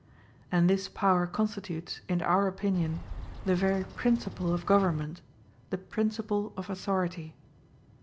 And this power constitutes, in our opinion, the very principle of government, the principle of authority.